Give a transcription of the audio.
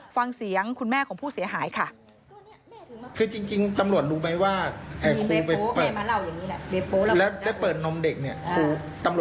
ฟังเสียงคุณแม่ของผู้เสียหายค่ะ